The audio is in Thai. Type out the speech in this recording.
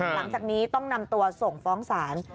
หลังจากนี้ต้องนำตัวส่งฟ้องศาล